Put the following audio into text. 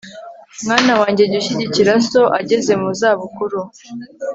mwana wanjye, jya ushyigikira so ageze mu za bukuru